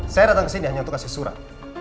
saya datang ke sini hanya untuk kasih surat